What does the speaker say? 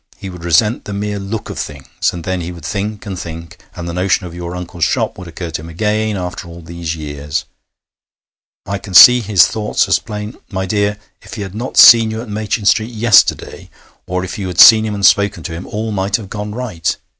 He would resent the mere look of things, and then he would think and think, and the notion of your uncle's shop would occur to him again, after all these years. I can see his thoughts as plain ... My dear, if he had not seen you at Machin Street yesterday, or if you had seen him and spoken to him, all might have gone right.